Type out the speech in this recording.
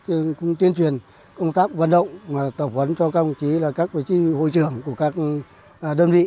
thì chúng tôi qua cái tuyên truyền công tác vận động tập huấn cho các công chí là các vị trí hội trưởng của các đơn vị